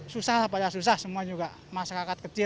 susah lah pada susah semua juga masyarakat kecil